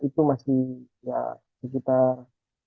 itu masih ya sekitar